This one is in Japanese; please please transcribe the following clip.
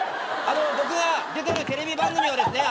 僕が出てるテレビ番組をですね